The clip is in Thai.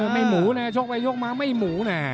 ไม่หมูนะชกไปชกมาไม่หมูนะ